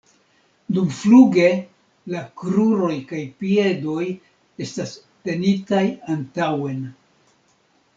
Dumfluge la kruroj kaj piedoj estas tenitaj antaŭen.